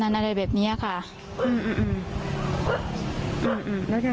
ความปลอดภัยของนายอภิรักษ์และครอบครัวด้วยซ้ำ